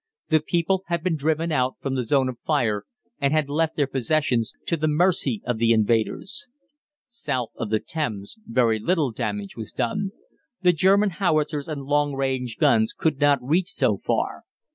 The people had been driven out from the zone of fire, and had left their possessions to the mercy of the invaders. South of the Thames very little damage was done. The German howitzers and long range guns could not reach so far.